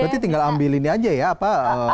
berarti tinggal ambilin aja ya apa